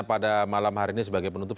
pada malam hari ini sebagai penutup